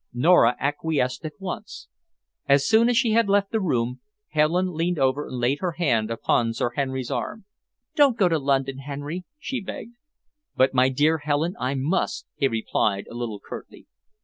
Nora acquiesced at once. As soon as she had left the room, Helen leaned over and laid her hand upon Sir Henry's arm. "Don't go to London, Henry," she begged. "But my dear Helen, I must," he replied, a little curtly.